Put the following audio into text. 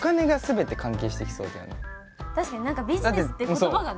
確かに何かビジネスって言葉がね。